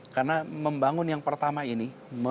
karena membangun yang pertama ini